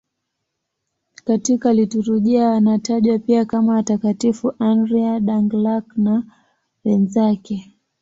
Katika liturujia wanatajwa pia kama Watakatifu Andrea Dũng-Lạc na wenzake.